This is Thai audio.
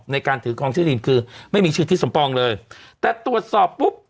ในการถือครองที่ดินคือไม่มีชื่อที่สมปองเลยแต่ตรวจสอบปุ๊บ